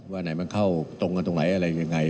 ว่าไหนมันเข้าตรงกันตรงไหนอะไรยังไง